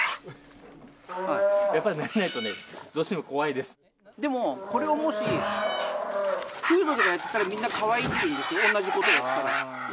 やっぱりなれないと、どうしでも、これをもし、プードルがやってたらみんなかわいいって言うでしょ、同じことをやったら。